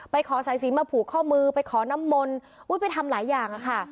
ไปขอสายสีมาผูกข้อมือไปขอน้ำมนไปทำหลายอย่าง